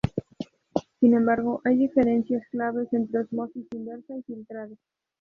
Sin embargo, hay diferencias claves entre ósmosis inversa y filtrado.